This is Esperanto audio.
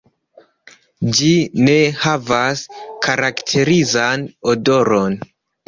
Ĝi ne havas karakterizan odoron.